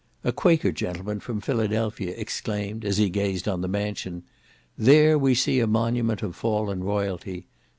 A Quaker gentleman, from Philadelphia, exclaimed, as he gazed on the mansion, "There we see a monument of fallen royalty!